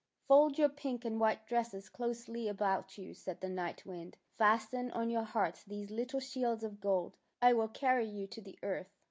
"'' Fold your pink and white dresses closely about you," said the Night Wind. '' Fasten on your hearts these little shields of gold. I will carry you to the earth."